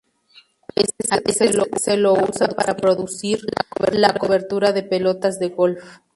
A veces se lo usa para producir la cobertura de pelotas de golf.